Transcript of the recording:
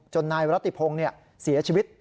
นายรัติพงศ์เสียชีวิต